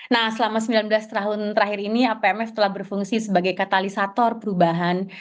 nah selama sembilan belas tahun terakhir ini apmf telah berfungsi sebagai katalisator perubahan